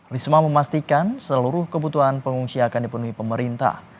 risma memastikan seluruh kebutuhan pengungsi akan dipenuhi pemerintah